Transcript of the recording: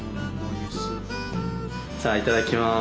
じゃあいただきます！